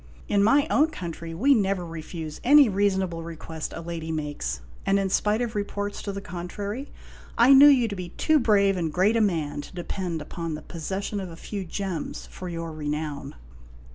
j In my own country we never refuse any reasonable request a lady makes ; and, in spite of reports to the contrary, I knew you to be too brave and great a man to depend upon the posses sion of a few gems for your renown.